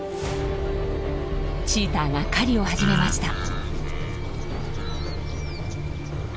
チーターが狩りを始めました。